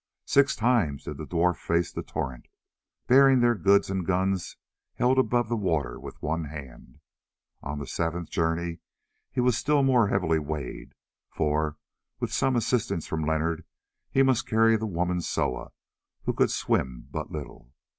Six times did the dwarf face the torrent, bearing their goods and guns held above the water with one hand. On the seventh journey he was still more heavily weighted, for, with some assistance from Leonard, he must carry the woman Soa, who could swim but little.